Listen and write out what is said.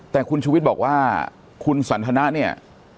แต่คุณชุวิตบอกว่าคุณสันทนะเนี่ย